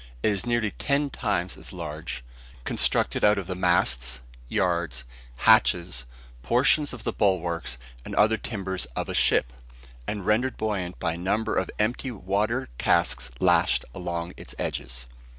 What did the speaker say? It is nearly ten times as large; constructed out of the masts, yards, hatches, portions of the bulwarks, and other timbers of a ship; and rendered buoyant by a number of empty water casks lashed along its edges.